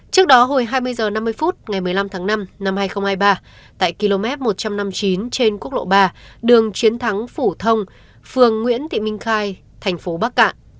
trước đó hồi hai mươi h năm mươi phút ngày một mươi năm tháng năm năm hai nghìn hai mươi ba tại km một trăm năm mươi chín trên quốc lộ ba đường chiến thắng phủ thông phường nguyễn thị minh khai thành phố bắc cạn